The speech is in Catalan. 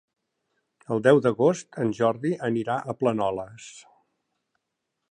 El deu d'agost en Jordi anirà a Planoles.